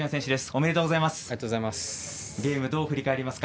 おめでとうございます。